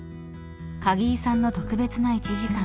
［鍵井さんの特別な１時間］